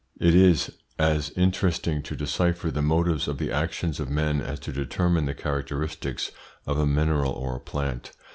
It is as interesting to decipher the motives of the actions of men as to determine the characteristics of a mineral or a plant.